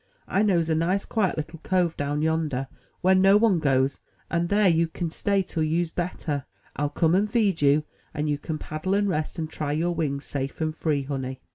I knows a nice, quiet little cove down yonder, where no one goes; and dare you kin stay till you's better. TU come and feed you, and you kin paddle, and rest, and try your wings, safe and free, honey.''